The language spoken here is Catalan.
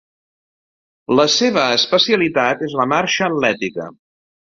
La seva especialitat és la marxa atlètica.